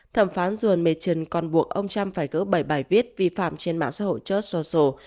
thẩm phán juergen machen còn buộc ông trump phải gỡ bảy bài viết vi phạm trên mạng xã hội church social